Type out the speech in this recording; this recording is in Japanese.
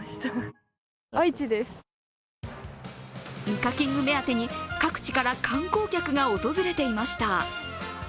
イカキング目当てに各地から観光客が訪れていました。